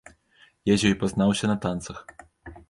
Я з ёй пазнаўся на танцах.